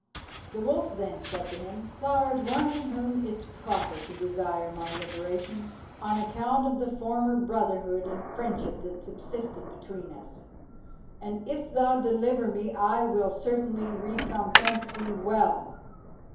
The wolf then said to him, "Thou art one in whom it is proper to desire my liberation, on account of the former brotherhood and friendship that subsisted between us; and if thou deliver me, I will certainly recompense thee well."